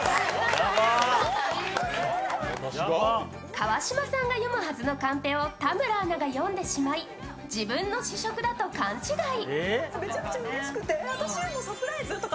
川島さんが読むはずのカンペを田村アナが読んでしまい自分の試食だと勘違い。